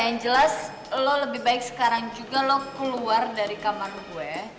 yang jelas lo lebih baik sekarang juga lo keluar dari kamar gue